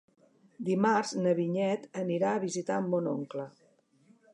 Dimarts na Vinyet anirà a visitar mon oncle.